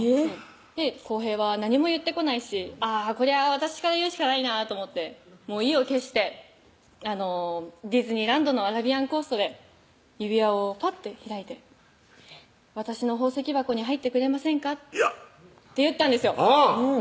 晃平は何も言ってこないしあぁこりゃあ私から言うしかないなと思って意を決してディズニーランドのアラビアンコーストで指輪をぱって開いて「私の宝石箱に入ってくれませんか？」って言ったんですようん！